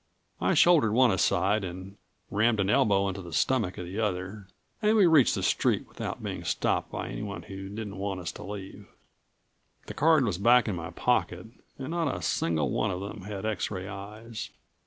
I shouldered one aside and rammed an elbow into the stomach of the other and we reached the street without being stopped by anyone who didn't want us to leave. The card was back in my pocket and not a single one of them had X ray eyes.